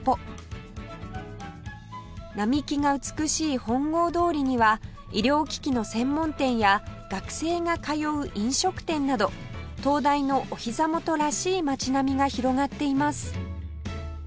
並木が美しい本郷通りには医療機器の専門店や学生が通う飲食店など東大のおひざ元らしい町並みが広がっています